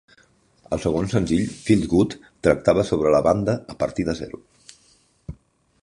El segon senzill "Feels Good" tractava sobre la banda 'a partir de zero'.